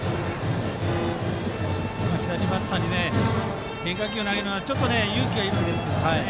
左バッターに変化球を投げるのはちょっと勇気がいるんですけどね。